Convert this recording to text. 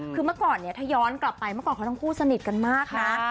คือเมื่อก่อนเนี่ยถ้าย้อนกลับไปเมื่อก่อนเขาทั้งคู่สนิทกันมากนะ